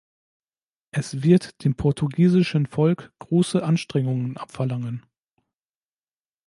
Es wird dem portugiesischen Volk große Anstrengungen abverlangen.